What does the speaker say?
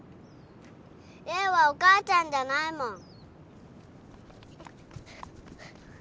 レイはお母ちゃんじゃないもん。